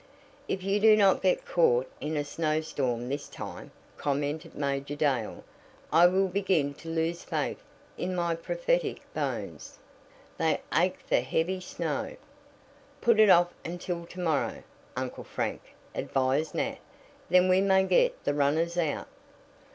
"If you do not get caught in a snowstorm this time," commented Major Dale, "I will begin to lose faith in my prophetic bones. They ache for heavy snow." "Put it off until to morrow, Uncle Frank," advised Nat. "Then we may get the runners out."